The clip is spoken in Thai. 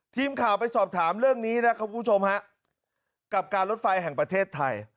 ทีมข่าวไปสอบถามเรื่องนี้นะครับคุณผู้ชมฮะกับการรถไฟแห่งประเทศไทย